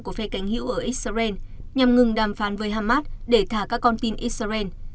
của phe cánh hữu ở israel nhằm ngừng đàm phán với hamas để thả các con tin israel